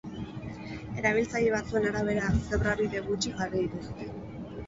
Erabiltzaile batzuen arabera, zebra-bide gutxi jarri dituzte.